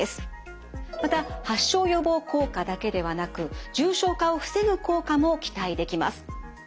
また発症予防効果だけではなく重症化を防ぐ効果も期待できます。